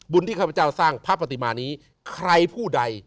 ที่ข้าพเจ้าสร้างพระปฏิมานี้ใครผู้ใด